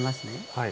はい。